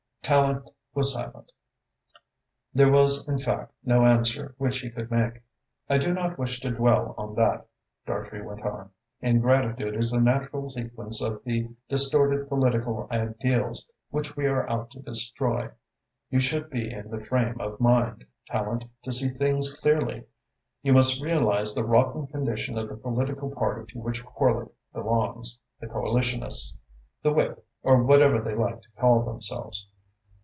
Tallente was silent. There was, in fact, no answer which he could make. "I do not wish to dwell on that," Dartrey went on. "Ingratitude is the natural sequence of the distorted political ideals which we are out to destroy. You should be in the frame of mind, Tallente, to see things clearly. You must realise the rotten condition of the political party to which Horlock belongs the Coalitionists, the Whip, or whatever they like to call themselves.